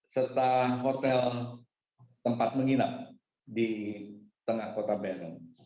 serta hotel tempat menginap di tengah kota bandung